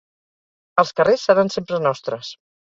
Els carrers seran sempre nostres